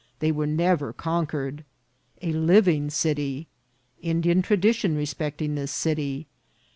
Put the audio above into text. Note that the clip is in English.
— They were never conquered.— A living City. — Indian Tradition respecting this City.